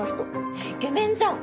えっイケメンじゃん。